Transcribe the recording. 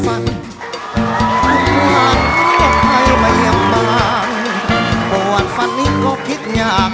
คุณหนุ่ยร้องได้หรือว่าร้องผิดครับ